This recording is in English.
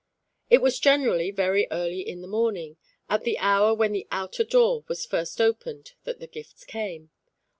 It was generally very early in the morning, at the hour when the outer door was first opened, that the gifts came.